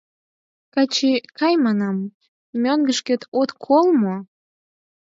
Качи, кай, манам, мӧҥгышкет, от кол мо?